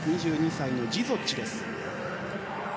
２２歳のジゾッチです。